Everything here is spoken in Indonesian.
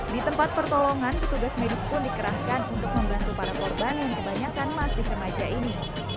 di tempat pertolongan petugas medis pun dikerahkan untuk membantu para korban yang kebanyakan masih remaja ini